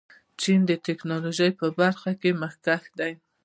چین د ټیکنالوژۍ په برخه کې مخکښ دی.